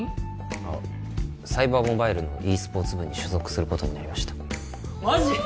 あっサイバーモバイルのｅスポーツ部に所属することになりましたマジ？